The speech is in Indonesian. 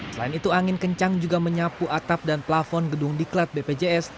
selain itu angin kencang juga menyapu atap dan plafon gedung diklat bpjs